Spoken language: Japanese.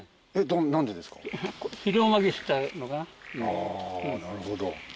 あなるほど。